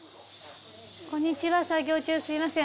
こんにちは作業中すみません。